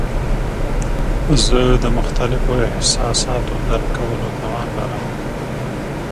زه د مختلفو احساساتو درک کولو توان لرم.